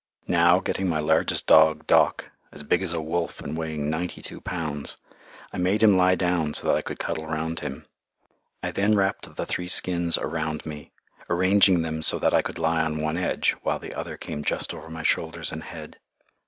Now, getting my largest dog, Doc, as big as a wolf and weighing ninety two pounds, I made him lie down, so that I could cuddle round him. I then wrapped the three skins around me, arranging them so that I could lie on one edge, while the other came just over my shoulders and head.